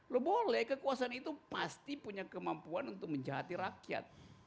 lo boleh kekuasaan itu pasti punya kemampuan untuk menjahati rakyat